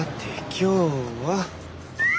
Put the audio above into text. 今日は。